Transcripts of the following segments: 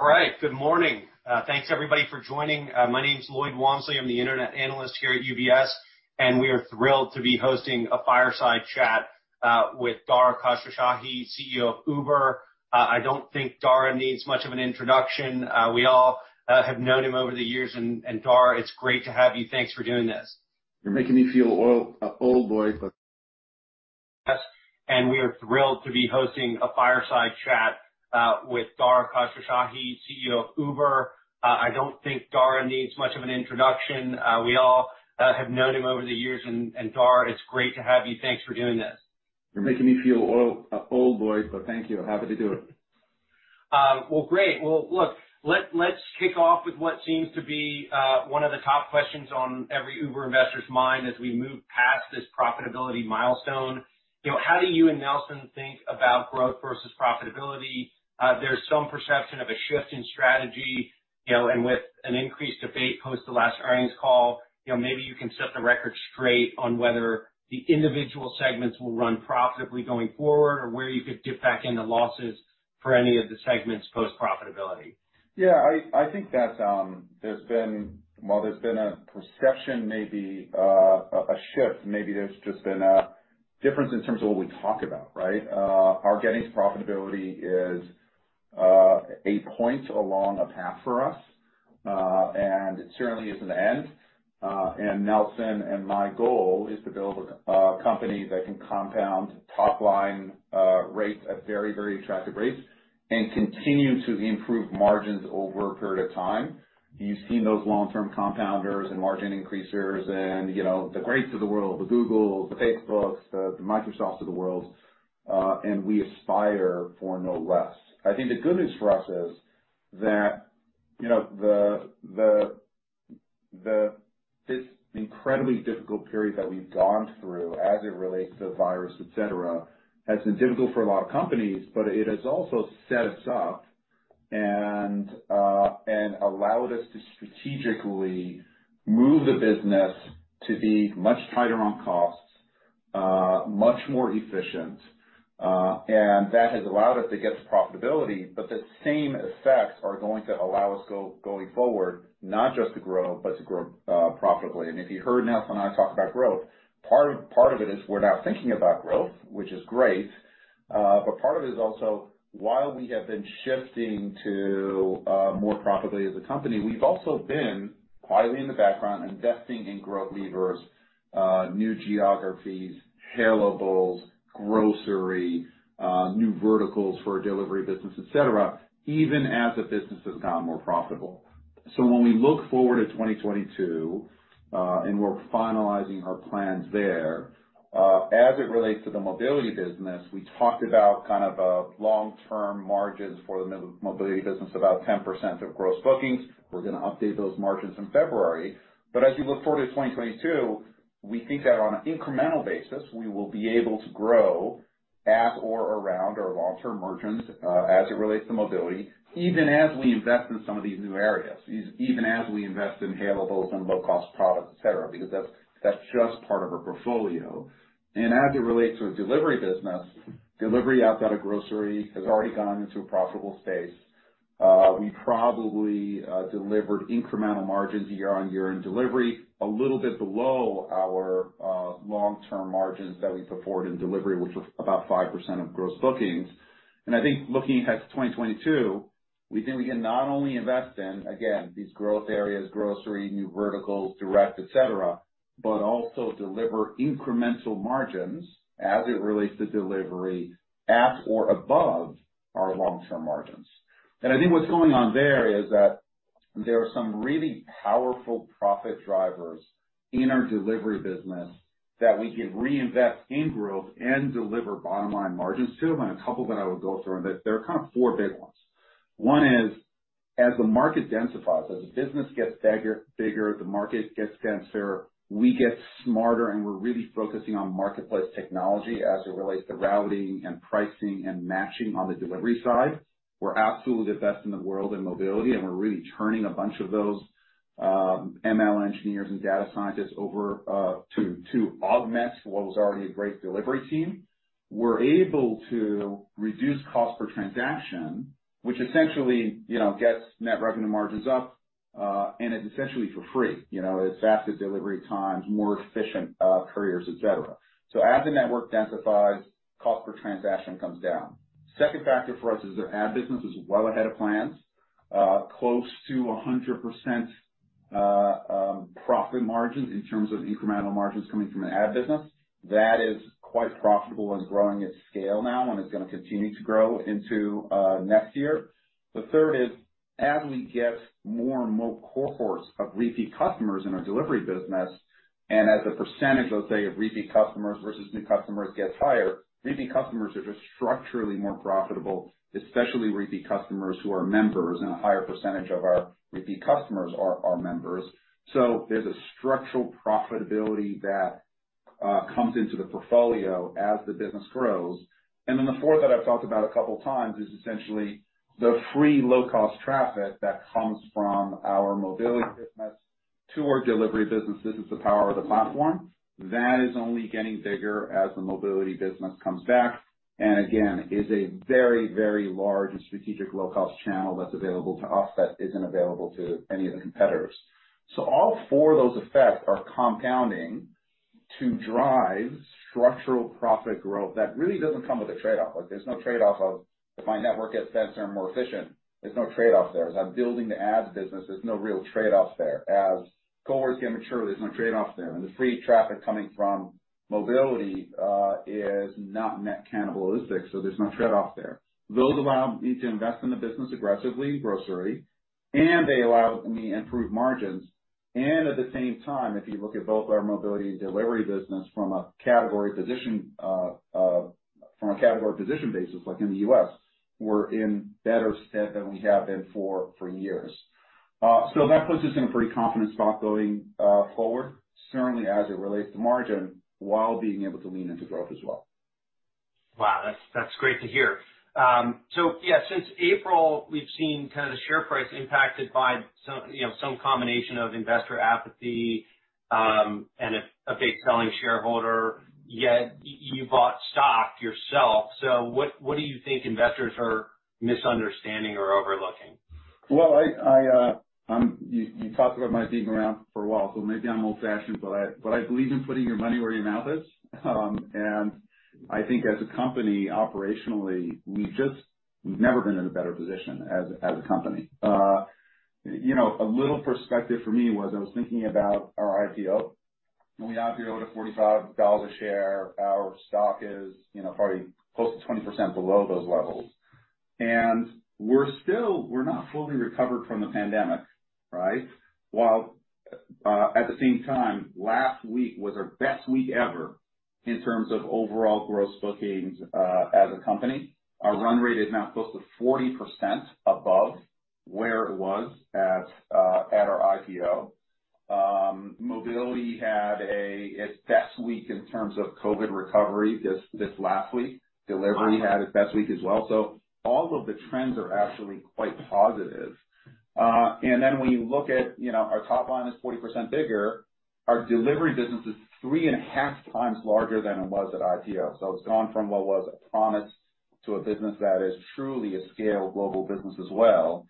All right. Good morning. Thanks everybody for joining. My name's Lloyd Walmsley. I'm the internet analyst here at UBS, and we are thrilled to be hosting a fireside chat with Dara Khosrowshahi, CEO of Uber. I don't think Dara needs much of an introduction. We all have known him over the years, and Dara, it's great to have you. Thanks for doing this. You're making me feel old, Lloyd, but- Yes, we are thrilled to be hosting a fireside chat with Dara Khosrowshahi, CEO of Uber. I don't think Dara needs much of an introduction. We all have known him over the years, and Dara, it's great to have you. Thanks for doing this. You're making me feel old, Lloyd, but thank you. Happy to do it. Well, great. Well, look, let's kick off with what seems to be one of the top questions on every Uber investor's mind as we move past this profitability milestone. You know, how do you and Nelson think about growth versus profitability? There's some perception of a shift in strategy, you know, and with an increased debate post the last earnings call, you know, maybe you can set the record straight on whether the individual segments will run profitably going forward or where you could dip back into losses for any of the segments post-profitability. Yeah, I think that while there's been a perception, maybe, of a shift, maybe there's just been a difference in terms of what we talk about, right? Our getting to profitability is a point along a path for us, and it certainly isn't an end. Nelson and my goal is to build a company that can compound top-line rates at very attractive rates and continue to improve margins over a period of time. You've seen those long-term compounders and margin increasers and the greats of the world, the Googles, the Facebooks, the Microsofts of the world, and we aspire for no less. I think the good news for us is that, you know, the this incredibly difficult period that we've gone through as it relates to the virus, et cetera, has been difficult for a lot of companies, but it has also set us up and allowed us to strategically move the business to be much tighter on costs, much more efficient, and that has allowed us to get to profitability. The same effects are going to allow us going forward, not just to grow, but to grow profitably. If you heard Nelson and I talk about growth, part of it is we're now thinking about growth, which is great. Part of it is also while we have been shifting to more profitability as a company, we've also been quietly in the background investing in growth levers, new geographies, hailables, grocery, new verticals for our delivery business, et cetera, even as the business has gotten more profitable. When we look forward to 2022 and we're finalizing our plans there, as it relates to the mobility business, we talked about kind of long-term margins for the mobility business, about 10% of gross bookings. We're gonna update those margins in February. As you look forward to 2022, we think that on an incremental basis, we will be able to grow at or around our long-term margins, as it relates to mobility, even as we invest in some of these new areas, even as we invest in hailables and low-cost products, et cetera, because that's just part of our portfolio. As it relates to our delivery business, delivery outside of grocery has already gone into a profitable space. We probably delivered incremental margins year-on-year in delivery a little bit below our long-term margins that we put forward in delivery, which was about 5% of gross bookings. I think looking ahead to 2022, we think we can not only invest in, again, these growth areas, grocery, new verticals, direct, et cetera, but also deliver incremental margins as it relates to delivery at or above our long-term margins. And I think what's going on there is that there are some really powerful profit drivers in our delivery business that we can reinvest in growth and deliver bottom line margins to. A couple that I would go through, and there are kind of four big ones. One is as the market densifies, as the business gets bigger, the market gets denser, we get smarter, and we're really focusing on marketplace technology as it relates to routing and pricing and matching on the delivery side. We're absolutely the best in the world in mobility, and we're really turning a bunch of those ML engineers and data scientists over to augment what was already a great delivery team. We're able to reduce cost per transaction, which essentially, you know, gets net revenue margins up, and it's essentially for free. You know, it's faster delivery times, more efficient couriers, et cetera. As the network densifies, cost per transaction comes down. Second factor for us is our ad business is well ahead of plans. Close to 100% profit margin in terms of incremental margins coming from the ad business. That is quite profitable and growing at scale now, and it's gonna continue to grow into next year. The third is as we get more and more cohorts of repeat customers in our delivery business, and as a percentage, let's say, of repeat customers versus new customers gets higher, repeat customers are just structurally more profitable, especially repeat customers who are members, and a higher percentage of our repeat customers are members. There's a structural profitability that comes into the portfolio as the business grows. The fourth that I've talked about a couple times is essentially the free low-cost traffic that comes from our mobility business to our delivery business, this is the power of the platform. That is only getting bigger as the mobility business comes back, and again, is a very, very large and strategic low-cost channel that's available to us that isn't available to any of the competitors. All four of those effects are compounding to drive structural profit growth that really doesn't come with a trade-off. Like, there's no trade-off of if my network gets denser and more efficient, there's no trade-off there. As I'm building the ads business, there's no real trade-off there. As cohorts get mature, there's no trade-off there. The free traffic coming from mobility is not net cannibalistic, so there's no trade-off there. Those allow me to invest in the business aggressively in grocery, and they allow me improved margins. And at the same time, if you look at both our mobility and delivery business from a Category Position basis, like in the U.S., we're in better stead than we have been for years. That puts us in a pretty confident spot going forward, certainly as it relates to margin, while being able to lean into growth as well. Wow, that's great to hear. Yeah, since April, we've seen kind of the share price impacted by some, you know, some combination of investor apathy, and a big selling shareholder, yet you bought stock yourself. What do you think investors are misunderstanding or overlooking? Well, you talked about my being around for a while, so maybe I'm old-fashioned, but I believe in putting your money where your mouth is. I think as a company, operationally, we've never been in a better position as a company. You know, a little perspective for me was I was thinking about our IPO. When we IPO'd at $45 a share, our stock is, you know, probably close to 20% below those levels. And we're still not fully recovered from the pandemic, right? While at the same time, last week was our best week ever in terms of overall gross bookings as a company. Our run rate is now close to 40% above where it was at our IPO. Mobility had its best week in terms of COVID recovery this last week. Delivery had its best week as well. All of the trends are actually quite positive. Then when you look at, you know, our top line is 40% bigger. Our delivery business is 3.5 times larger than it was at IPO. It's gone from what was a promise to a business that is truly a scaled global business as well.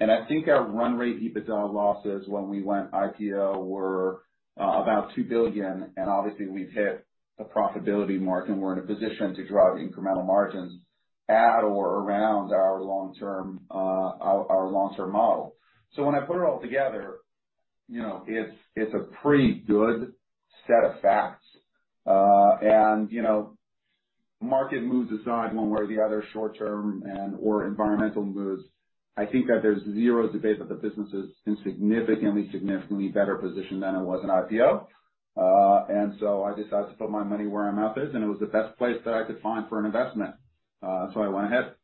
I think our run rate EBITDA losses when we went IPO were about $2 billion, and obviously we've hit the profitability mark, and we're in a position to drive incremental margins at or around our long-term model. So, when I put it all together, you know, it's a pretty good set of facts. And you know, market moves aside one way or the other short-term and/or environmental moves. I think that there's zero debate that the business is in significantly better position than it was at IPO. I decided to put my money where my mouth is, and it was the best place that I could find for an investment, so I went ahead.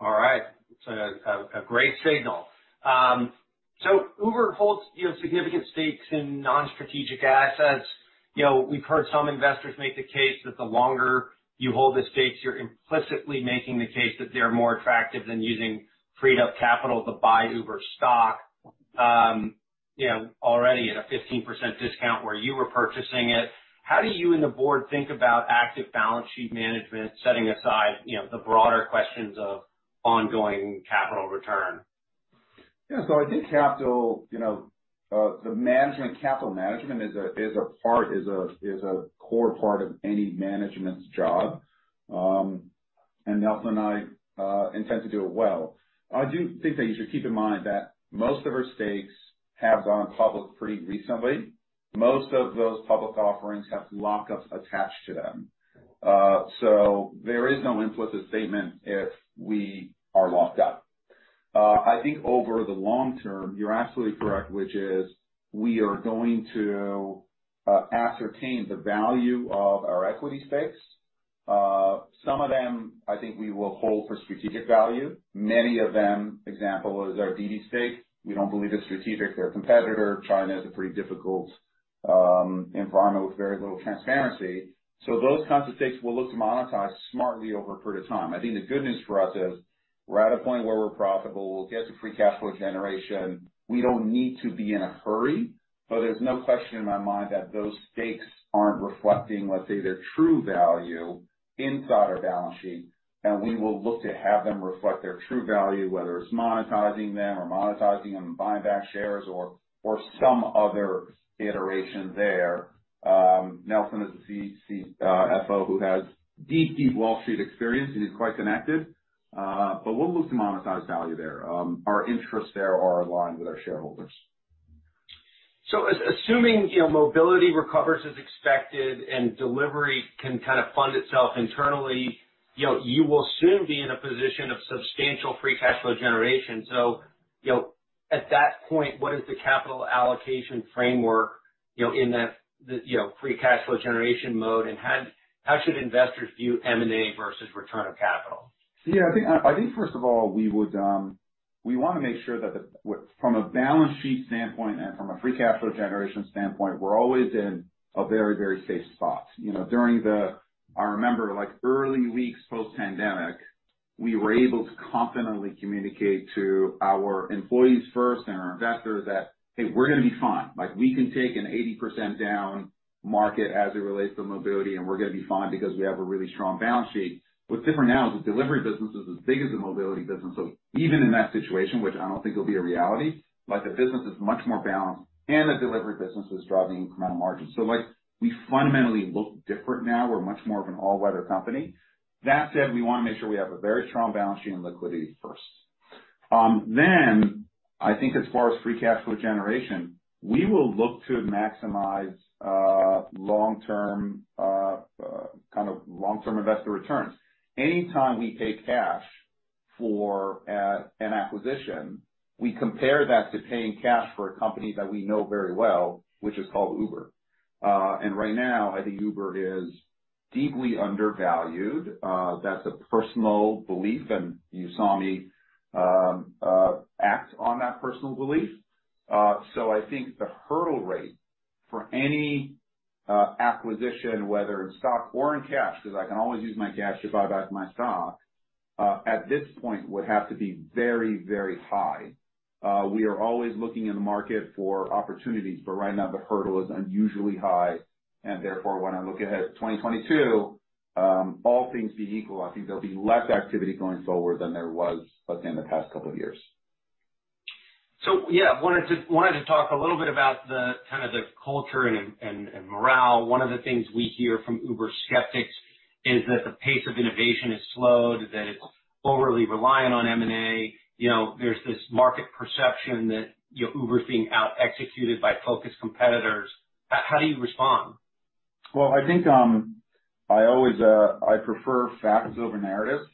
All right. It's a great signal. Uber holds, you know, significant stakes in non-strategic assets. You know, we've heard some investors make the case that the longer you hold the stakes, you're implicitly making the case that they are more attractive than using freed up capital to buy Uber stock, you know, already at a 15% discount where you were purchasing it. How do you and the board think about active balance sheet management, setting aside, you know, the broader questions of ongoing capital return? I think capital management is a core part of any management's job, and Nelson and I intend to do it well. I do think that you should keep in mind that most of our stakes have gone public pretty recently. Most of those public offerings have lockups attached to them. So there is no implicit statement if we are locked up. I think over the long term, you're absolutely correct, which is we are going to ascertain the value of our equity stakes. Some of them I think we will hold for strategic value. Many of them, example is our DiDi stake. We don't believe it's strategic. They're a competitor. China is a pretty difficult environment with very little transparency. Those kinds of stakes we'll look to monetize smartly over a period of time. I think the good news for us is we're at a point where we're profitable. We'll get to free cash flow generation. We don't need to be in a hurry. There's no question in my mind that those stakes aren't reflecting, let's say, their true value inside our balance sheet, and we will look to have them reflect their true value, whether it's monetizing them or buying back shares or some other iteration there. Nelson is the CFO, who has deep Wall Street experience and is quite connected. We'll look to monetize value there. Our interests there are aligned with our shareholders. Assuming, you know, mobility recovers as expected and delivery can kind of fund itself internally, you know, you will soon be in a position of substantial free cash flow generation. You know, at that point, what is the capital allocation framework, you know, in that, you know, free cash flow generation mode, and how should investors view M&A versus return of capital? Yeah, I think first of all, we wanna make sure that from a balance sheet standpoint and from a free cash flow generation standpoint, we're always in a very, very safe spot. You know, I remember, like, early weeks post-pandemic we were able to confidently communicate to our employees first and our investors that, hey, we're gonna be fine. Like, we can take an 80% down market as it relates to mobility, and we're gonna be fine because we have a really strong balance sheet. What's different now is the delivery business is as big as the mobility business. Even in that situation, which I don't think will be a reality, like, the business is much more balanced and the delivery business is driving incremental margins. Like, we fundamentally look different now. We're much more of an all-weather company. That said, we wanna make sure we have a very strong balance sheet and liquidity first. Then I think as far as free cash flow generation, we will look to maximize long-term kind of long-term investor returns. Any time we take cash for an acquisition, we compare that to paying cash for a company that we know very well, which is called Uber. And right now, I think Uber is deeply undervalued. That's a personal belief, and you saw me act on that personal belief. So I think the hurdle rate for any acquisition, whether in stock or in cash, 'cause I can always use my cash to buy back my stock, at this point would have to be very, very high. We are always looking in the market for opportunities, but right now the hurdle is unusually high and therefore, when I look ahead at 2022, all things being equal, I think there'll be less activity going forward than there was within the past couple of years. Yeah, wanted to talk a little bit about the kind of the culture and morale. One of the things we hear from Uber skeptics is that the pace of innovation has slowed, that it's overly reliant on M&A. You know, there's this market perception that, you know, Uber's being outexecuted by focused competitors. How do you respond? Well, I think I always prefer facts over narratives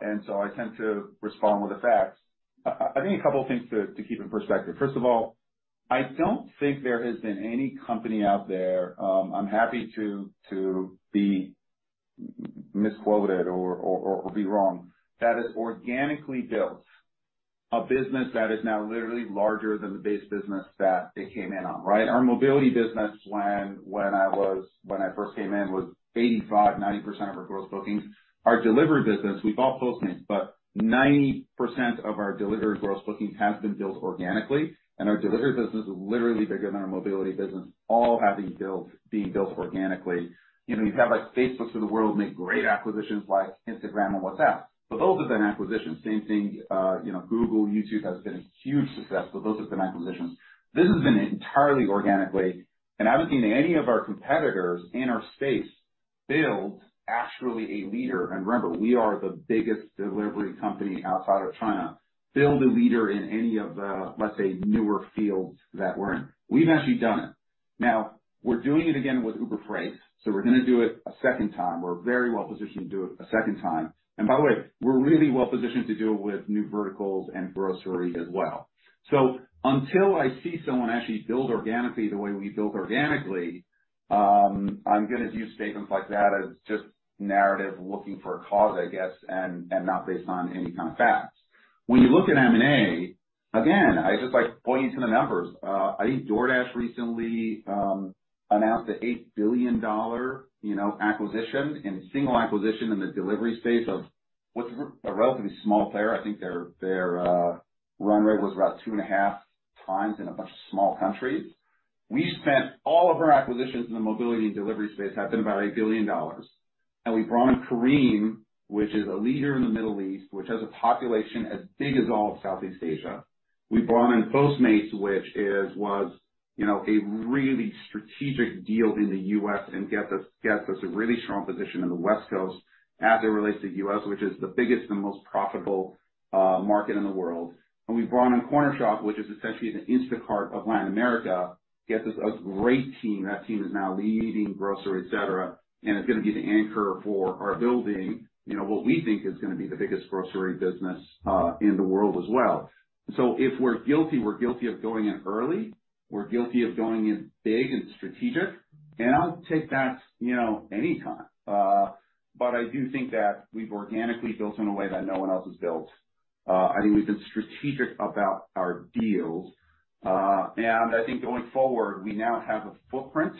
and so I tend to respond with the facts. I think a couple of things to keep in perspective. First of all, I don't think there has been any company out there, I'm happy to be misquoted or be wrong, that has organically built a business that is now literally larger than the base business that they came in on, right? Our mobility business when I first came in was 85%-90% of our gross bookings. Our delivery business, we bought Postmates, but 90% of our delivery gross bookings has been built organically, and our delivery business is literally bigger than our mobility business, all having been built organically. You know, you have, like, Facebooks of the world make great acquisitions like Instagram and WhatsApp. Those have been acquisitions. Same thing, you know, Google, YouTube has been a huge success, but those have been acquisitions. This has been entirely organically, and I haven't seen any of our competitors in our space build actually a leader, and remember, we are the biggest delivery company outside of China, in any of the, let's say, newer fields that we're in. We've actually done it. Now, we're doing it again with Uber Freight, so we're gonna do it a second time. We're very well positioned to do it a second time. By the way, we're really well positioned to do it with new verticals and grocery as well. Until I see someone actually build organically the way we've built organically, I'm gonna view statements like that as just narrative looking for a cause, I guess, and not based on any kind of facts. When you look at M&A, again, I just like to point you to the numbers. I think DoorDash recently announced an $8 billion acquisition in a single acquisition in the delivery space of what's a relatively small player. I think their run rate was about $2.5 billion in a bunch of small countries. All of our acquisitions in the mobility and delivery space have been about $8 billion. We brought in Careem, which is a leader in the Middle East, which has a population as big as all of Southeast Asia. We brought in Postmates, which was, you know, a really strategic deal in the U.S. and gets us a really strong position in the West Coast as it relates to U.S., which is the biggest and most profitable market in the world. We brought in Cornershop, which is essentially the Instacart of Latin America, gets us a great team. That team is now leading grocery, et cetera, and it's gonna be the anchor for our building, you know, what we think is gonna be the biggest grocery business in the world as well. If we're guilty, we're guilty of going in early. We're guilty of going in big and strategic, and I'll take that, you know, anytime. I do think that we've organically built in a way that no one else has built. I think we've been strategic about our deals. I think going forward, we now have a footprint,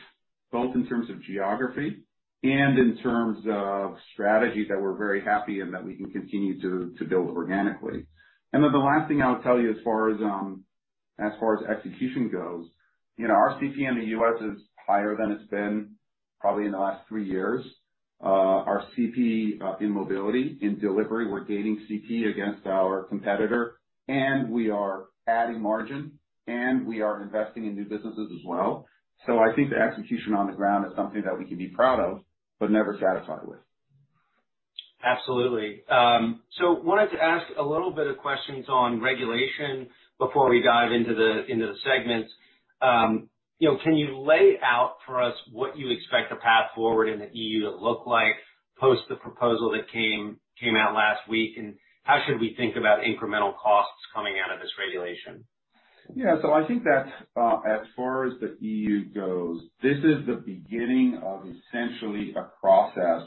both in terms of geography and in terms of strategy, that we're very happy and that we can continue to build organically. Then the last thing I'll tell you as far as execution goes, you know, our CP in the U.S. is higher than it's been probably in the last three years. Our CP in mobility, in delivery, we're gaining CP against our competitor, and we are adding margin, and we are investing in new businesses as well. I think the execution on the ground is something that we can be proud of, but never satisfied with. Absolutely. So wanted to ask a little bit of questions on regulation before we dive into the segments. You know, can you lay out for us what you expect the path forward in the EU to look like post the proposal that came out last week? How should we think about incremental costs coming out of this regulation? Yeah. I think that, as far as the EU goes, this is the beginning of essentially a process,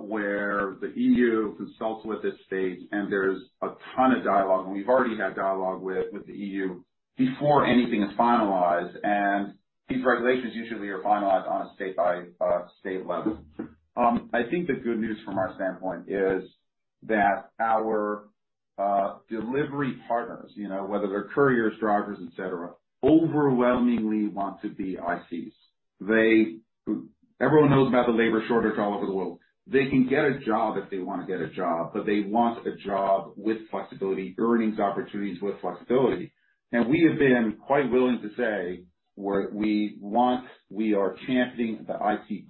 where the EU consults with the states and there's a ton of dialogue, and we've already had dialogue with the EU before anything is finalized. These regulations usually are finalized on a state by state level. I think the good news from our standpoint is our delivery partners, you know, whether they're couriers, drivers, et cetera, overwhelmingly want to be ICs. Everyone knows about the labor shortage all over the world. They can get a job if they wanna get a job, but they want a job with flexibility, earnings opportunities with flexibility. We have been quite willing to say, we want... We are championing the IC+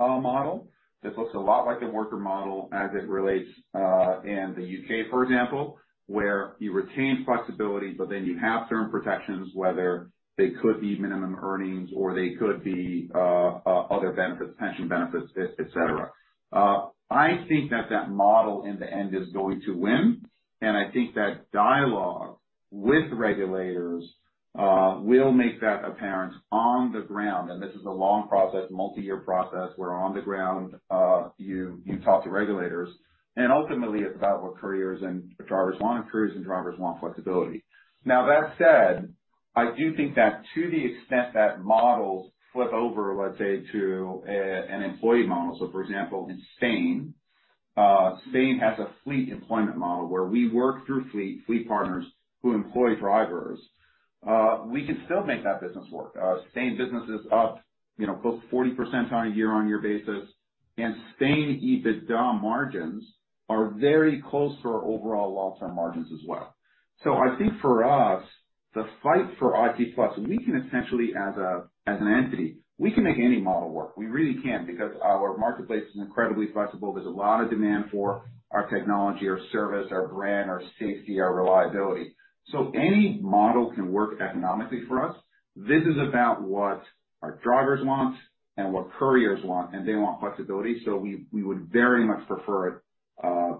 model that looks a lot like a worker model as it relates in the U.K., for example, where you retain flexibility, but then you have certain protections, whether they could be minimum earnings or they could be other benefits, pension benefits, et cetera. I think that model in the end is going to win, and I think that dialogue with regulators will make that apparent on the ground. This is a long process, multi-year process, where on the ground you talk to regulators, and ultimately it's about what couriers and drivers want, and couriers and drivers want flexibility. Now, that said, I do think that to the extent that models flip over, let's say, to an employee model, so for example, in Spain has a fleet employment model where we work through fleet partners who employ drivers. We can still make that business work. Spain business is up, you know, close to 40% on a year-on-year basis, and Spain EBITDA margins are very close to our overall long-term margins as well. I think for us, the fight for IC+, we can essentially as an entity, we can make any model work. We really can, because our marketplace is incredibly flexible. There's a lot of demand for our technology, our service, our brand, our safety, our reliability. So any model can work economically for us. This is about what our drivers want and what couriers want, and they want flexibility. So we would very much prefer it,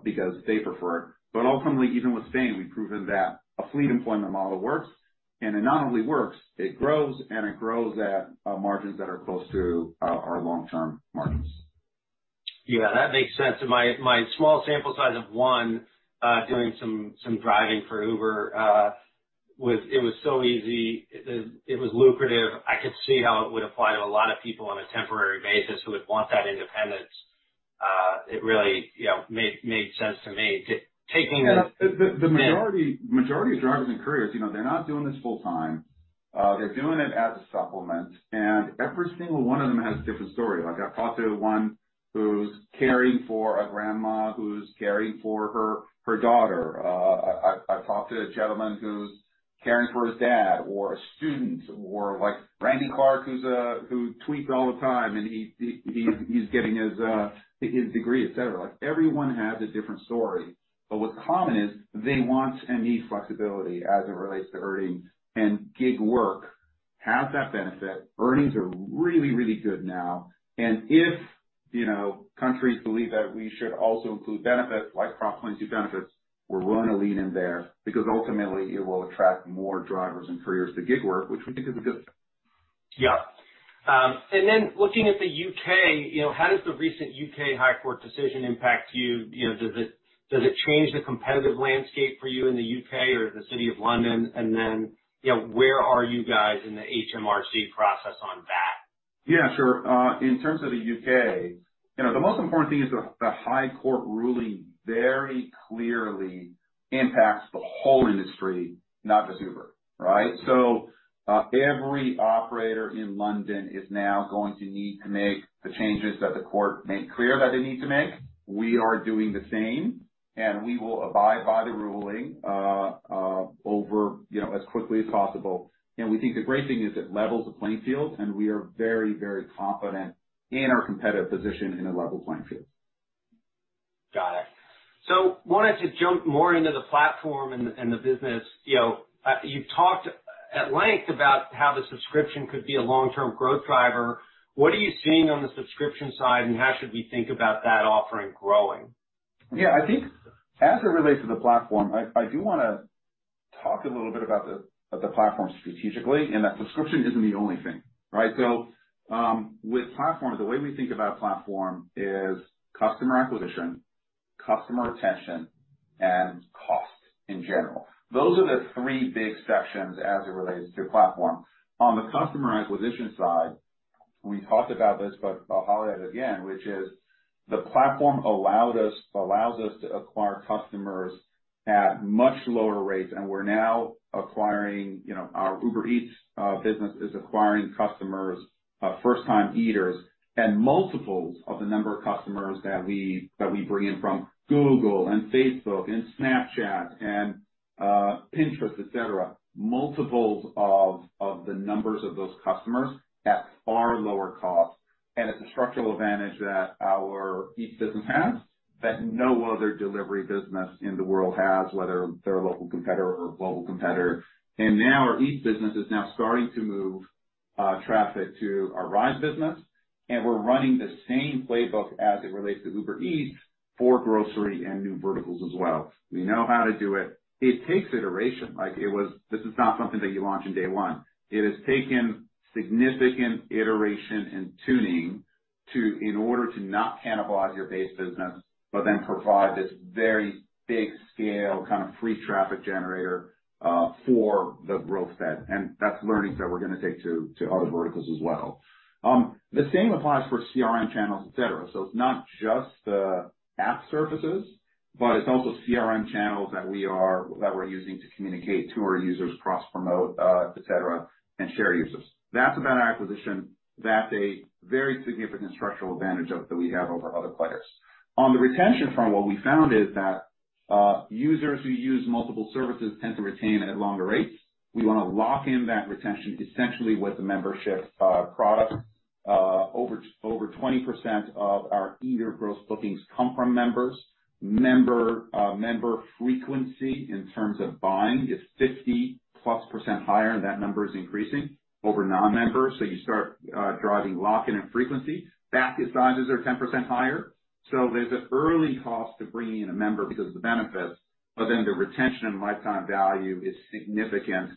because they prefer it. Ultimately, even with Spain, we've proven that a fleet employment model works, and it not only works, it grows, and it grows at margins that are close to our long-term margins. Yeah, that makes sense. My small sample size of one, doing some driving for Uber, was so easy. It was lucrative. I could see how it would apply to a lot of people on a temporary basis who would want that independence. It really, you know, made sense to me. The majority of drivers and couriers, you know, they're not doing this full time. They're doing it as a supplement, and every single one of them has a different story. Like, I talked to one who's caring for a grandma, who's caring for her daughter. I talked to a gentleman who's caring for his dad or a student or like Randy Clarke, who's who tweets all the time, and he's getting his degree, et cetera. Like, everyone has a different story, but what's common is they want and need flexibility as it relates to earnings. Gig work has that benefit. Earnings are really, really good now. If, you know, countries believe that we should also include benefits like Prop 22 benefits, we're willing to lean in there because ultimately it will attract more drivers and couriers to gig work, which we think is a good thing. Yeah. Looking at the U.K., you know, how does the recent U.K. High Court decision impact you? You know, does it change the competitive landscape for you in the U.K. or the City of London? You know, where are you guys in the HMRC process on that? Yeah, sure. In terms of the U.K., you know, the most important thing is the High Court ruling very clearly impacts the whole industry, not just Uber, right? So, every operator in London is now going to need to make the changes that the court made clear that they need to make. We are doing the same, and we will abide by the ruling, over, you know, as quickly as possible. We think the great thing is it levels the playing field, and we are very, very confident in our competitive position in a level playing field. Got it. Wanted to jump more into the platform and the business. You know, you've talked at length about how the subscription could be a long-term growth driver. What are you seeing on the subscription side, and how should we think about that offering growing? Yeah. I think as it relates to the platform, I do wanna talk a little bit about the platform strategically, and that subscription isn't the only thing, right? With platform, the way we think about platform is customer acquisition, customer retention, and costs in general. Those are the three big sections as it relates to platform. On the customer acquisition side, we talked about this, but I'll highlight it again, which is the platform allows us to acquire customers at much lower rates, and we're now acquiring, you know, our Uber Eats business is acquiring customers, first-time eaters at multiples of the number of customers that we bring in from Google and Facebook and Snapchat and Pinterest, et cetera. Multiples of the numbers of those customers at far lower costs. It's a structural advantage that our Eats business has that no other delivery business in the world has, whether they're a local competitor or a global competitor. Now our Eats business is starting to move traffic to our Rides business, and we're running the same playbook as it relates to Uber Eats for grocery and new verticals as well. We know how to do it. It takes iteration. This is not something that you launch in day one. It has taken significant iteration and tuning to in order to not cannibalize your base business, but then provide this very big scale, kind of, free traffic generator for the growth set. That's learnings that we're gonna take to other verticals as well. The same applies for CRM channels, et cetera. It's not just the app surfaces. But it's also CRM channels that we're using to communicate to our users, cross-promote, et cetera, and share users. That's about acquisition. That's a very significant structural advantage of that we have over other players. On the retention front, what we found is that users who use multiple services tend to retain at longer rates. We wanna lock in that retention essentially with the membership product. Over 20% of our Eats or gross bookings come from members. Member frequency in terms of buying is 50%+ higher, and that number is increasing over non-members. You start driving lock-in and frequency. Basket sizes are 10% higher. There's an early cost to bringing in a member because of the benefits, but then the retention and lifetime value is significant.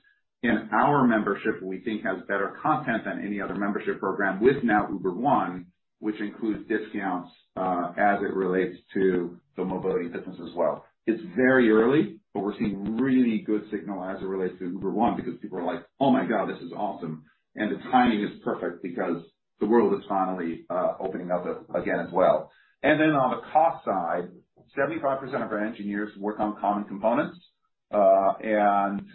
Our membership, we think, has better content than any other membership program with now Uber One, which includes discounts, as it relates to the mobility business as well. It's very early, but we're seeing really good signal as it relates to Uber One because people are like, "Oh my God, this is awesome." The timing is perfect because the world is finally opening up again as well. Then on the cost side, 75% of our engineers work on common components.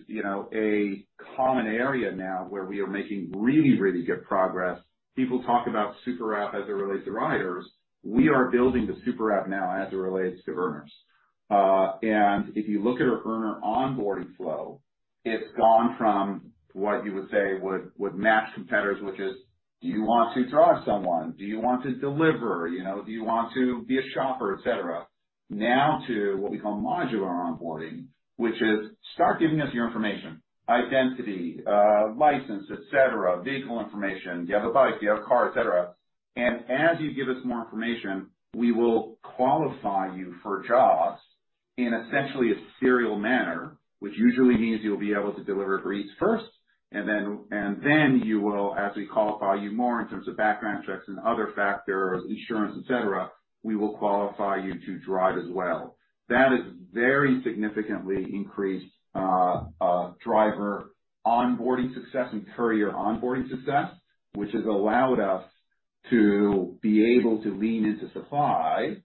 You know, a common area now where we are making really, really good progress, people talk about super app as it relates to riders. We are building the super app now as it relates to earners. If you look at our earner onboarding flow, it's gone from what you would say would match competitors, which is, do you want to drive someone? Do you want to deliver? You know, do you want to be a shopper, et cetera. Now to what we call modular onboarding, which is start giving us your information, identity, license, et cetera, vehicle information. Do you have a bike? Do you have a car, et cetera. And as you give us more information, we will qualify you for jobs in essentially a serial manner, which usually means you'll be able to deliver Eats first, and then you will, as we qualify you more in terms of background checks and other factors, insurance, et cetera, we will qualify you to drive as well. That has very significantly increased driver onboarding success and courier onboarding success, which has allowed us to be able to lean into supply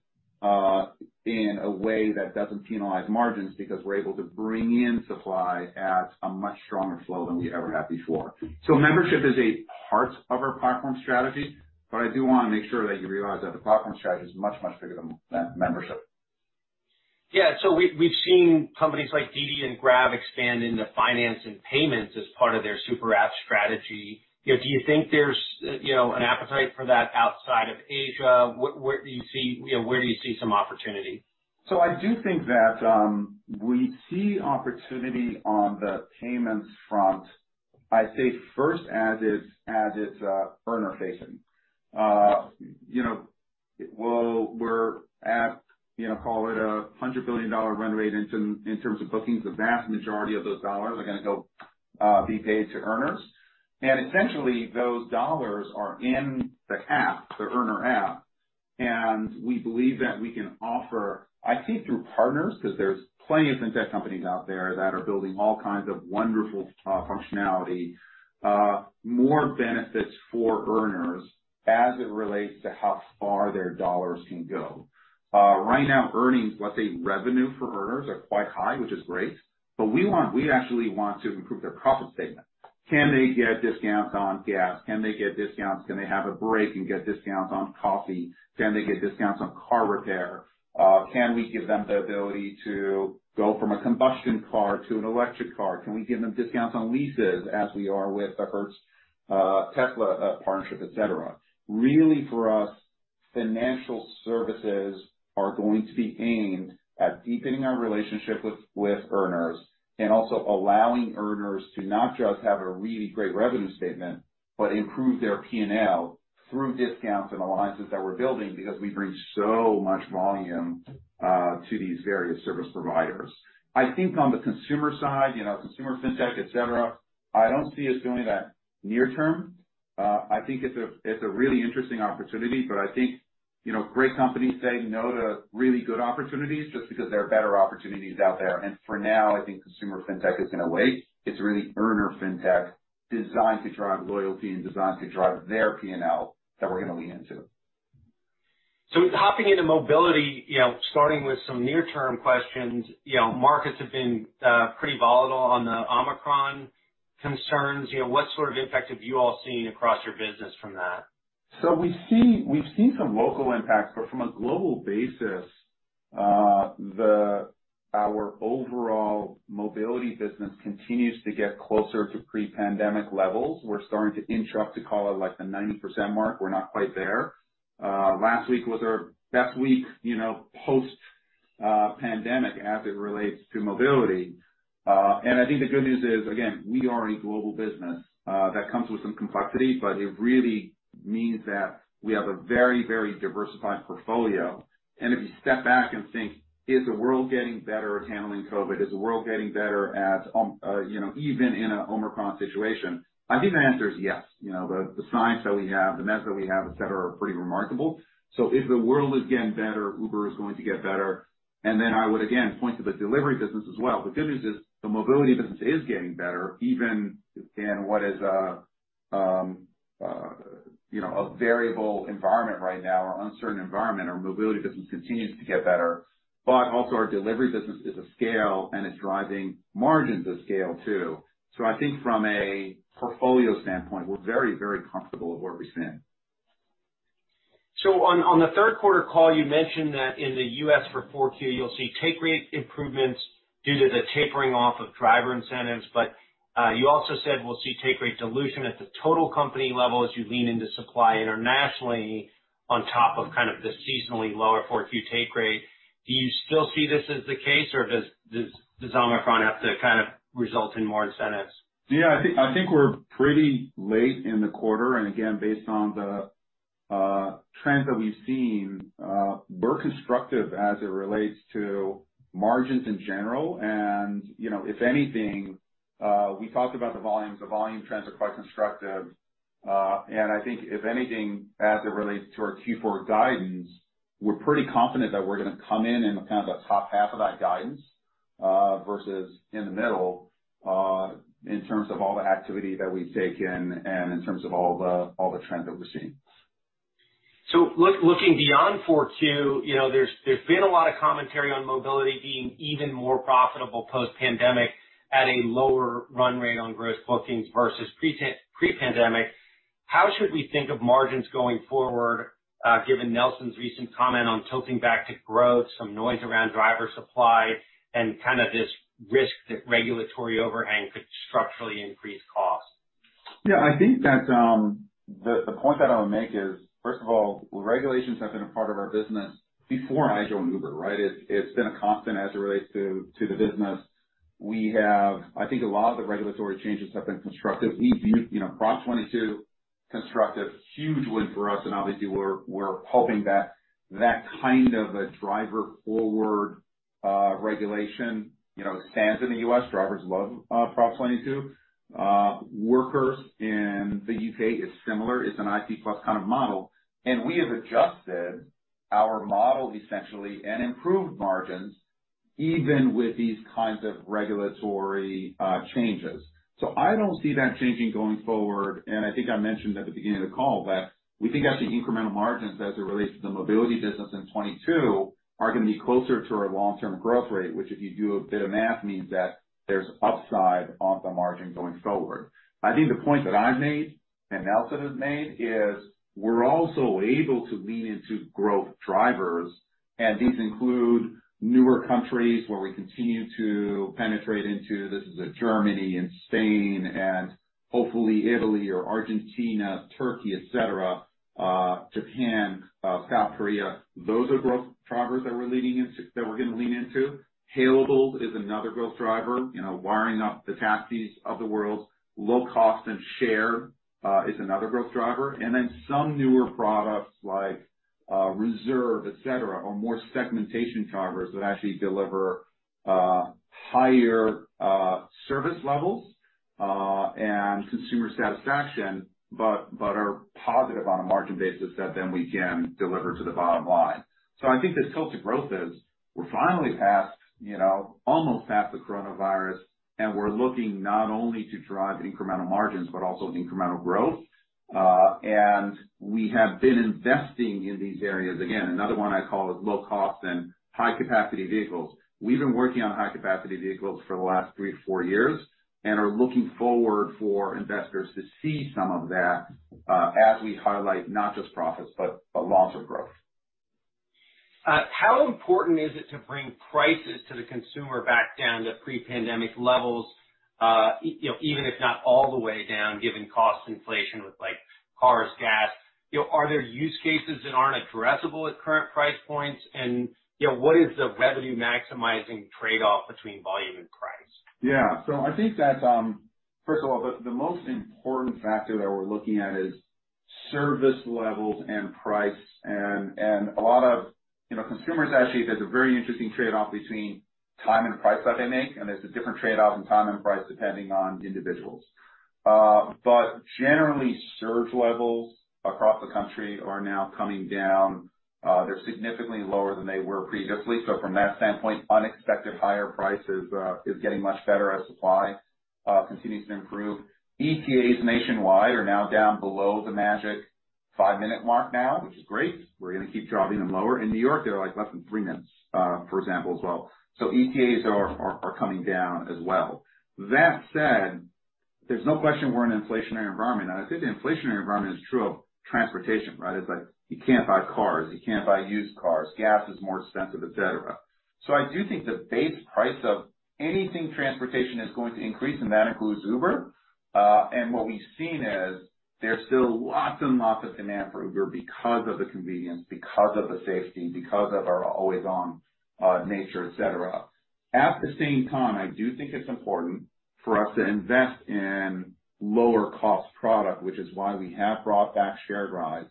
in a way that doesn't penalize margins, because we're able to bring in supply at a much stronger flow than we ever have before. Membership is a part of our platform strategy, but I do wanna make sure that you realize that the platform strategy is much, much bigger than membership. Yeah. We've seen companies like DiDi and Grab expand into finance and payments as part of their super app strategy. You know, do you think there's you know, an appetite for that outside of Asia? You know, where do you see some opportunity? I do think that we see opportunity on the payments front, I'd say first as it's earner facing. You know, we're at, you know, call it $100 billion run rate in terms of bookings. The vast majority of those dollars are gonna go be paid to earners. And essentially, those dollars are in the app, the earner app, and we believe that we can offer, I think, through partners, 'cause there's plenty of fintech companies out there that are building all kinds of wonderful functionality, more benefits for earners as it relates to how far their dollars can go. Right now, earnings, let's say revenue for earners, are quite high, which is great, but we actually want to improve their profit statement. Can they get discounts on gas? Can they have a break and get discounts on coffee? Can they get discounts on car repair? Can we give them the ability to go from a combustion car to an electric car? Can we give them discounts on leases, as we are with the Hertz, Tesla, partnership, et cetera. Really, for us, financial services are going to be aimed at deepening our relationship with earners and also allowing earners to not just have a really great revenue statement, but improve their P&L through discounts and alliances that we're building because we bring so much volume to these various service providers. I think on the consumer side, you know, consumer fintech, et cetera, I don't see us doing that near term. I think it's a really interesting opportunity, but I think, you know, great companies say no to really good opportunities just because there are better opportunities out there. For now, I think consumer fintech is gonna wait. It's really earner fintech designed to drive loyalty and designed to drive their P&L that we're gonna lean into. Hopping into mobility, you know, starting with some near-term questions. You know, markets have been pretty volatile on the Omicron concerns. You know, what sort of impact have you all seen across your business from that? We see, we've seen some local impacts, but from a global basis, our overall mobility business continues to get closer to pre-pandemic levels. We're starting to inch up to call it like the 90% mark. We're not quite there. Last week was our best week, you know, post-pandemic as it relates to mobility. I think the good news is, again, we are a global business. That comes with some complexity, but it really means that we have a very, very diversified portfolio. If you step back and think, is the world getting better at handling COVID? Is the world getting better at, you know, even in an Omicron situation? I think the answer is yes. You know, the science that we have, the meds that we have, et cetera, are pretty remarkable. If the world is getting better, Uber is going to get better. Then I would again point to the delivery business as well. The good news is the mobility business is getting better even in what is, you know, a variable environment right now or uncertain environment. Our mobility business continues to get better, but also our delivery business is at scale and it's driving margins of scale too. I think from a portfolio standpoint, we're very, very comfortable with where we stand. On the third quarter call, you mentioned that in the U.S. for 4Q, you'll see take rate improvements due to the tapering off of driver incentives. You also said we'll see take rate dilution at the total company level as you lean into supply internationally on top of kind of the seasonally lower 4Q take rate. Do you still see this as the case, or does Omicron have to kind of result in more incentives? Yeah, I think we're pretty late in the quarter, and again, based on the trends that we've seen, we're constructive as it relates to margins in general. And you know, if anything, we talked about the volumes. The volume trends are quite constructive. And I think if anything, as it relates to our Q4 guidance, we're pretty confident that we're gonna come in the kind of top half of that guidance versus the middle in terms of all the activity that we've taken and in terms of all the trends that we're seeing. Looking beyond 4Q, you know, there's been a lot of commentary on mobility being even more profitable post-pandemic at a lower run rate on gross bookings versus pre-pandemic. How should we think of margins going forward, given Nelson's recent comment on tilting back to growth, some noise around driver supply and kind of this risk that regulatory overhang could structurally increase costs? Yeah, I think that the point that I'll make is, first of all, regulations have been a part of our business before I joined Uber, right? It's been a constant as it relates to the business. We have. I think a lot of the regulatory changes have been constructive. We've, you know, Prop 22, constructive, huge win for us and obviously we're hoping that that kind of a driver-forward regulation, you know, stands in the U.S. Drivers love Prop 22. Workers in the U.K., it's similar. It's an IC+ kind of model. We have adjusted our model essentially and improved margins even with these kinds of regulatory changes. I don't see that changing going forward. I think I mentioned at the beginning of the call that we think actually incremental margins as it relates to the mobility business in 2022 are gonna be closer to our long-term growth rate, which if you do a bit of math, means that there's upside on the margin going forward. I think the point that I've made and Nelson has made is we're also able to lean into growth drivers, and these include newer countries where we continue to penetrate into. This is Germany and Spain and hopefully Italy or Argentina, Turkey, et cetera, Japan, South Korea. Those are growth drivers that we're gonna lean into. Hailables is another growth driver. And you know, wiring up the taxis of the world. Low cost and share is another growth driver. Then some newer products like Reserve, et cetera, are more segmentation drivers that actually deliver higher service levels and consumer satisfaction, but are positive on a margin basis that then we can deliver to the bottom line. I think the tilt to growth is we're finally past, you know, almost past the coronavirus, and we're looking not only to drive incremental margins, but also incremental growth. We have been investing in these areas. Again, another one I call is low cost and high capacity vehicles. We've been working on high capacity vehicles for the last three to four years and are looking forward for investors to see some of that, as we highlight not just profits, but a long-term growth. How important is it to bring prices to the consumer back down to pre-pandemic levels, you know, even if not all the way down, given cost inflation with like cars, gas? You know, are there use cases that aren't addressable at current price points? You know, what is the revenue maximizing trade-off between volume and price? Yeah. I think that, first of all, the most important factor that we're looking at is service levels and price. And a lot of, you know, consumers actually, there's a very interesting trade-off between time and price that they make, and it's a different trade-off in time and price depending on individuals. Generally, surge levels across the country are now coming down. They're significantly lower than they were previously. From that standpoint, unexpected higher prices is getting much better as supply continues to improve. ETAs nationwide are now down below the magic five-minute mark now, which is great. We're gonna keep driving them lower. In New York, they're like less than three minutes, for example, as well. ETAs are coming down as well. That said, there's no question we're in an inflationary environment. I think the inflationary environment is true of transportation, right? It's like you can't buy cars, you can't buy used cars, gas is more expensive, et cetera. I do think the base price of anything transportation is going to increase, and that includes Uber. What we've seen is there's still lots and lots of demand for Uber because of the convenience, because of the safety, because of our always-on nature, et cetera. At the same time, I do think it's important for us to invest in lower cost product, which is why we have brought back shared rides.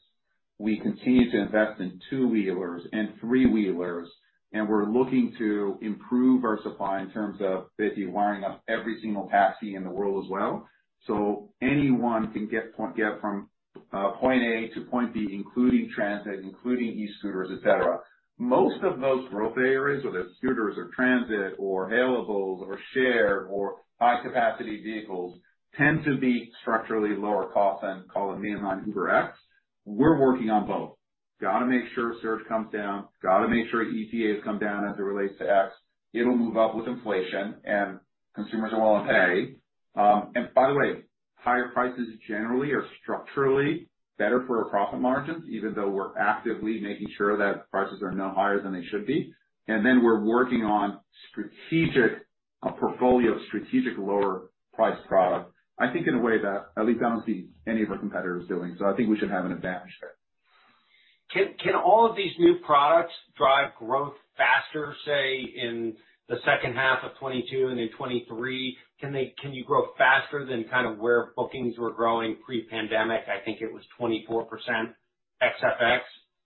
We continue to invest in two-wheelers and three-wheelers, and we're looking to improve our supply in terms of, say, wiring up every single taxi in the world as well. Anyone can get from point A to point B, including transit, including e-scooters, et cetera. Most of those growth areas, whether it's scooters or transit or hailables or Share or high-capacity vehicles, tend to be structurally lower cost than call it me and mine, UberX. We're working on both. Gotta make sure surge comes down, gotta make sure ETAs come down as it relates to X. It'll move up with inflation and consumers are willing to pay. By the way, higher prices generally are structurally better for our profit margins, even though we're actively making sure that prices are no higher than they should be. Then we're working on a portfolio of strategic lower-priced products, I think in a way that at least I don't see any of our competitors doing. I think we should have an advantage there. Can all of these new products drive growth faster, say in the second half of 2022 and then 2023? Can you grow faster than kind of where bookings were growing pre-pandemic? I think it was 24% ex FX.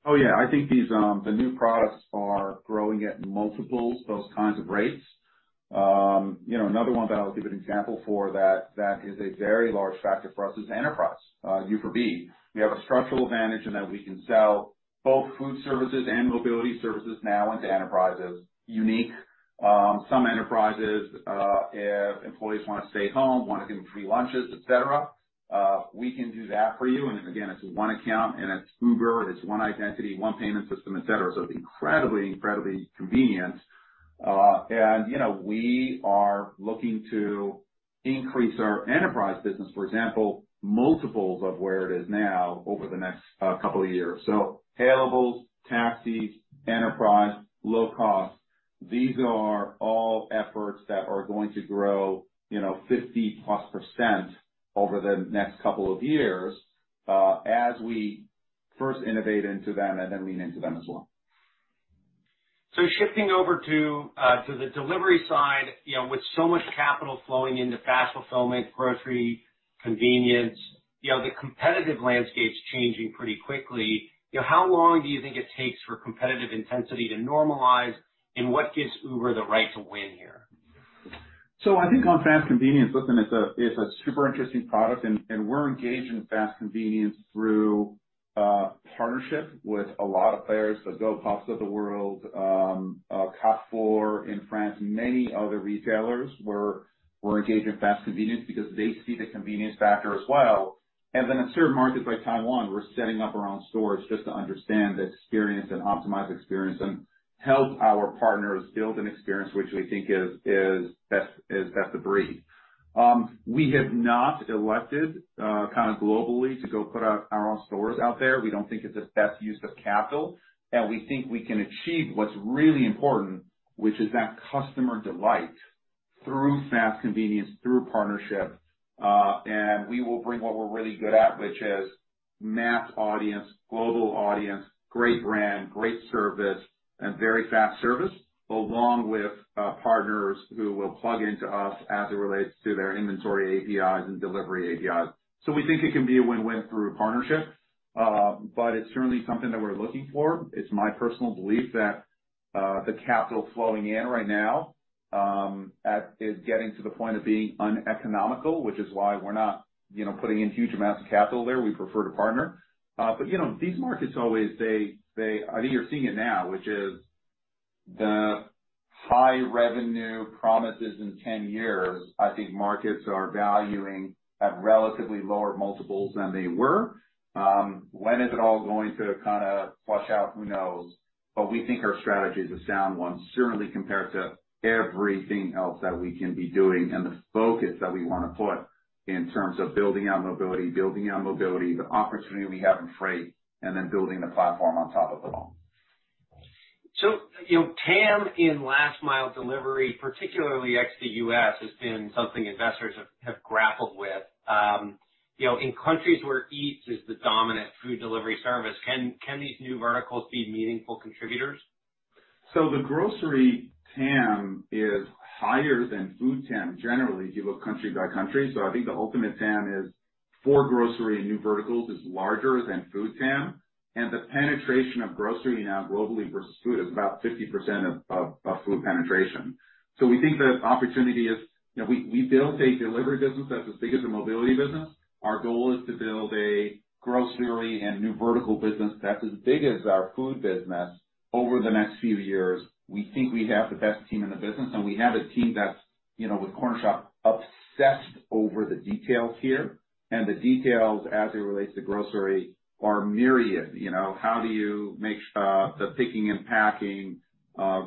Oh, yeah. I think these, the new products are growing at multiples, those kinds of rates. You know, another one that I'll give an example for that is a very large factor for us is enterprise, Uber for Business. We have a structural advantage in that we can sell both food services and mobility services now into enterprise is unique. Some enterprises, if employees wanna stay home, wanna give them free lunches, et cetera, we can do that for you. Again, it's one account and it's Uber and it's one identity, one payment system, et cetera. It's incredibly convenient. You know, we are looking to increase our enterprise business, for example, multiples of where it is now over the next couple of years. Hailables, taxis, enterprise, low cost, these are all efforts that are going to grow, you know, 50%+ over the next couple of years, as we first innovate into them and then lean into them as well. Shifting over to the delivery side, you know, with so much capital flowing into fast fulfillment, grocery, convenience, you know, the competitive landscape's changing pretty quickly. You know, how long do you think it takes for competitive intensity to normalize, and what gives Uber the right to win here? I think on fast convenience, listen, it's a super interesting product and we're engaged in fast convenience through partnership with a lot of players, the Gopuff of the world, Carrefour in France, many other retailers. We're engaged in fast convenience because they see the convenience factor as well. Then in certain markets like Taiwan, we're setting up our own stores just to understand the experience and optimize experience and help our partners build an experience which we think is best of breed. We have not elected kind of globally to go put our own stores out there. We don't think it's the best use of capital, and we think we can achieve what's really important, which is that customer delight through fast convenience, through partnership. We will bring what we're really good at, which is mass audience, global audience, great brand, great service, and very fast service, along with partners who will plug into us as it relates to their inventory APIs and delivery APIs. We think it can be a win-win through partnership, it's certainly something that we're looking for. It's my personal belief that the capital flowing in right now is getting to the point of being uneconomical, which is why we're not, you know, putting in huge amounts of capital there. We prefer to partner. You know, these markets always I think you're seeing it now, which is the high revenue promises in 10 years, I think markets are valuing at relatively lower multiples than they were. When is it all going to kinda flush out? Who knows? We think our strategy is a sound one, certainly compared to everything else that we can be doing and the focus that we wanna put in terms of building on mobility, the opportunity we have in freight, and then building the platform on top of it all. You know, TAM in last mile delivery, particularly ex the U.S., has been something investors have grappled with. You know, in countries where Eats is the dominant food delivery service, can these new verticals be meaningful contributors? The grocery TAM is higher than food TAM generally, if you look country by country. I think the ultimate TAM is for grocery and new verticals is larger than food TAM. The penetration of grocery now globally versus food is about 50% of food penetration. So we think the opportunity is, you know, we built a delivery business that's as big as the mobility business. Our goal is to build a grocery and new vertical business that's as big as our food business over the next few years. We think we have the best team in the business, and we have a team that's, you know, with Cornershop, obsessed over the details here, and the details as it relates to grocery are myriad. You know, how do you make the picking and packing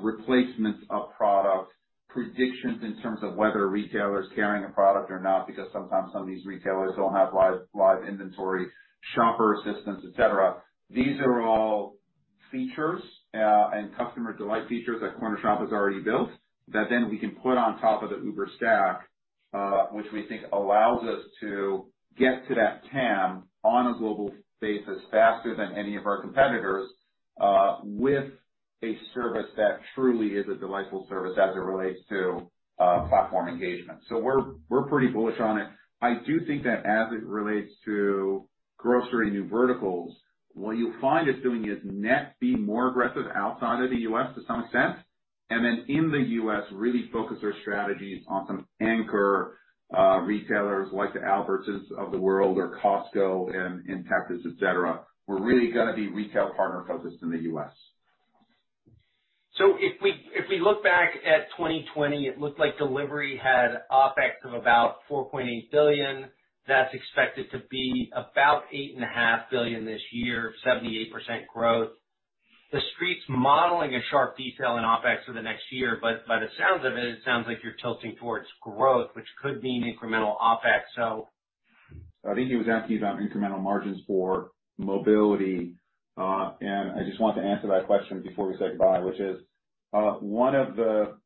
replacements of products predictions in terms of whether a retailer is carrying a product or not because sometimes some of these retailers don't have live inventory, shopper assistance, et cetera. These are all features and customer delight features that Cornershop has already built that then we can put on top of the Uber stack, which we think allows us to get to that TAM on a global basis faster than any of our competitors with a service that truly is a delightful service as it relates to platform engagement. We're pretty bullish on it. I do think that as it relates to grocery and new verticals, what you'll find us doing is net be more aggressive outside of the U.S. to some extent, and then in the U.S., really focus our strategies on some anchor retailers like the Albertsons of the world or Costco and Tesco, et cetera. We're really gonna be retail partner focused in the U.S. If we look back at 2020, it looked like delivery had OPEX of about $4.8 billion. That's expected to be about $8.5 billion this year, 78% growth. The Street's modeling a sharp decline in OPEX for the next year, but by the sounds of it sounds like you're tilting towards growth, which could mean incremental OPEX. I think he was asking about incremental margins for mobility. I just want to answer that question before we say goodbye, which is one of the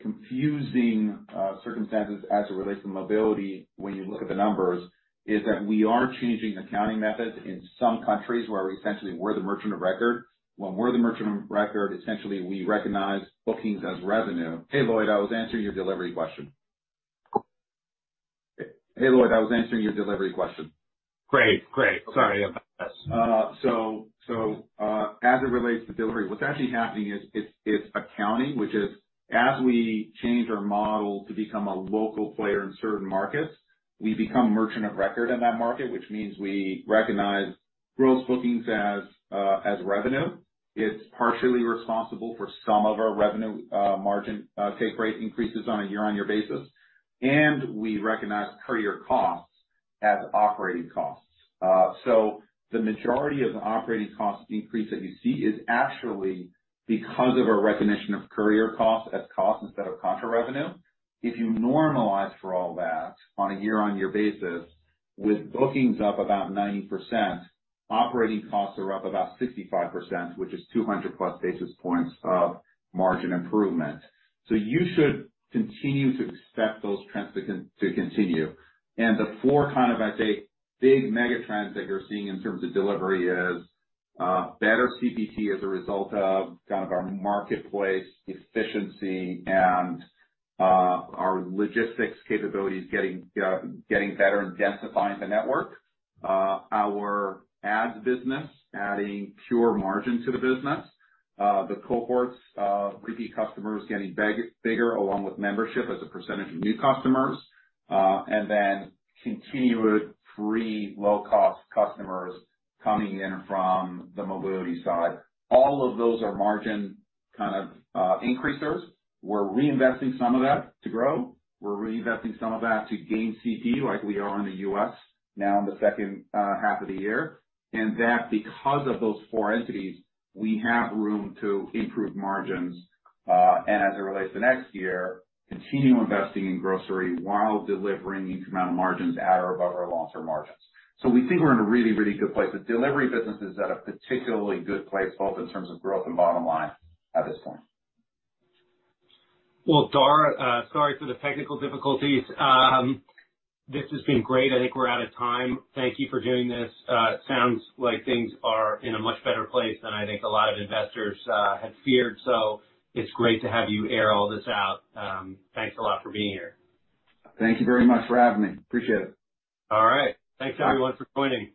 confusing circumstances as it relates to mobility when you look at the numbers, is that we are changing accounting methods in some countries where essentially we're the merchant of record. When we're the merchant of record, essentially we recognize bookings as revenue. Hey, Lloyd, I was answering your delivery question. Great. Sorry about this. As it relates to delivery, what's actually happening is accounting, which is as we change our model to become a local player in certain markets, we become merchant of record in that market, which means we recognize gross bookings as revenue. It's partially responsible for some of our revenue margin take rate increases on a year-on-year basis, and we recognize courier costs as operating costs. The majority of the operating cost increase that you see is actually because of our recognition of courier costs as costs instead of contra revenue. If you normalize for all that on a year-on-year basis, with bookings up about 90%, operating costs are up about 65%, which is 200+ basis points of margin improvement. You should continue to expect those trends to continue. The four kind of, I'd say, big mega trends that you're seeing in terms of delivery is better CPT as a result of kind of our marketplace efficiency and our logistics capabilities getting better and densifying the network. Our ads business adding pure margin to the business. The cohorts of repeat customers getting bigger, along with membership as a percentage of new customers, and then continued free low-cost customers coming in from the mobility side. All of those are margin kind of increasers. We're reinvesting some of that to grow. We're reinvesting some of that to gain CT like we are in the U.S. now in the second half of the year. That because of those four entities, we have room to improve margins, and as it relates to next year, continue investing in grocery while delivering incremental margins at or above our long-term margins. We think we're in a really, really good place. The delivery business is at a particularly good place, both in terms of growth and bottom line at this point. Well, Dara, sorry for the technical difficulties. This has been great. I think we're out of time. Thank you for doing this. Sounds like things are in a much better place than I think a lot of investors had feared. It's great to have you air all this out. Thanks a lot for being here. Thank you very much for having me. Appreciate it. All right. Thanks everyone for joining.